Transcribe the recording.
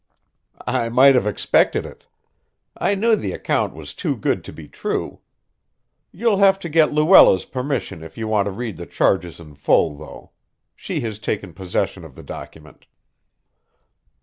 "I might have expected it. I knew the account was too good to be true. You'll have to get Luella's permission if you want to read the charges in full, though. She has taken possession of the document."